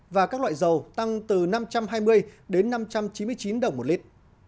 và các loại dầu tăng từ năm trăm hai mươi đến năm trăm chín mươi chín đồng một lít